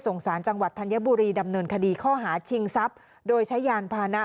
สารจังหวัดธัญบุรีดำเนินคดีข้อหาชิงทรัพย์โดยใช้ยานพานะ